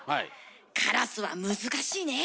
カラスは難しいねえ。